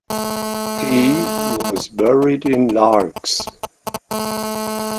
He was buried in Largs.